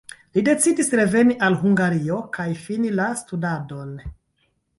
Li decidis reveni al Hungario kaj fini la studadon.